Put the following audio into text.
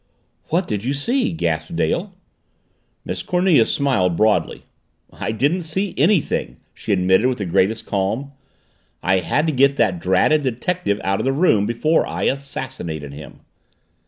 "What did you see?" gasped Dale. Miss Cornelia smiled broadly. "I didn't see anything," she admitted with the greatest calm. "I had to get that dratted detective out of the room before I assassinated him."